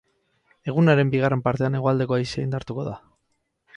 Egunaren bigarren partean hegoaldeko haizea indartuko da.